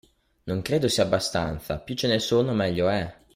Non credo sia abbastanza, più ce ne sono meglio è.